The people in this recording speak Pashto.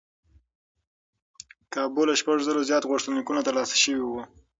کابو له شپږ زرو زیات غوښتنلیکونه ترلاسه شوي و.